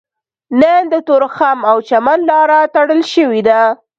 نن د تورخم او چمن لاره تړل شوې ده